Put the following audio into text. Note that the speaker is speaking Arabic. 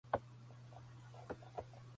انتقل فاضل و ليلى إلى القاهرة.